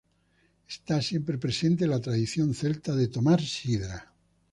Está siempre presente la tradición celta de tomar sidra.